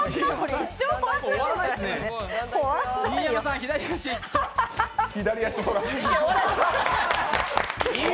新山さん、左足、雲。